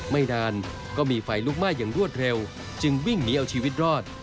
ไม่นานก็มีไฟลุกไหม้อย่างรวดเร็วจึงวิ่งหนีเอาชีวิตรอด